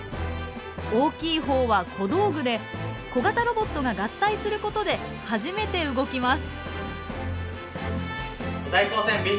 大きい方は小道具で小型ロボットが合体することで初めて動きます。